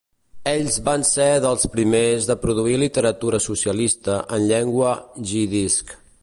Ells van ser dels primers de produir literatura socialista en llengua jiddisch.